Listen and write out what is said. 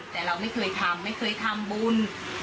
แต่เราไม่เคยทำบุญ